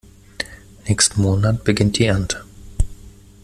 Nächsten Monat beginnt die Ernte.